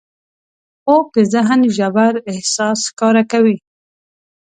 خوب د ذهن ژور احساس ښکاره کوي